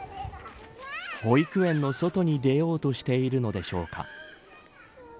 保育園の外に出ようとしているのでしょうか。